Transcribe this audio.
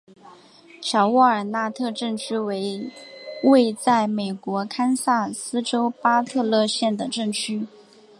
小沃尔纳特镇区为位在美国堪萨斯州巴特勒县的镇区。